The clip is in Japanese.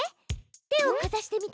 手をかざしてみて。